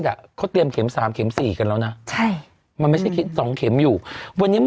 เขาเตรียมเข็ม๓เข็ม๔กันแล้วนะ